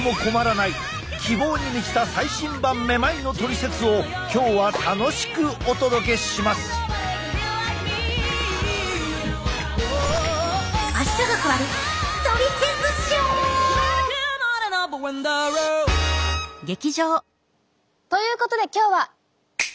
希望に満ちた最新版めまいのトリセツを今日は楽しくお届けします！ということで今日は。